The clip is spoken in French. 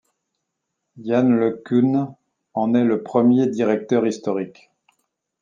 Yann Le Cun en est le premier directeur historique.